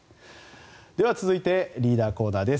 では、続いてリーダーのコーナーです。